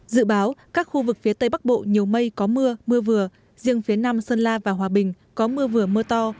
dự báo các khu vực phía tây bắc bộ nhiều mây có mưa mưa vừa riêng phía nam sơn la và hòa bình có mưa vừa mưa to